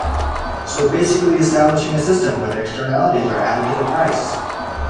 So basically establishing a system where the externalities are added to the price.